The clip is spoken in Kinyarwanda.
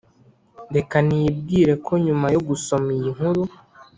reka nibwire ko nyuma yo gusoma iyi nkuru